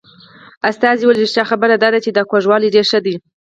استازي وویل رښتیا خبره دا ده چې دا کوږوالی ډېر ښه دی.